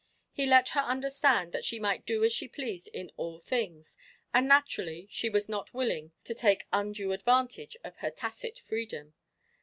He let her understand that she might do as she pleased in all things, and, naturally, she was not willing to take undue advantage of her tacit freedom.